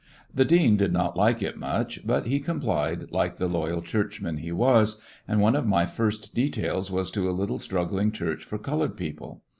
The dean did not like it much, but he com plied like the loyal Churchman he was, and one of my first details was to a little strug gling church for colored people.